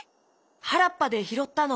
はらっぱでひろったの。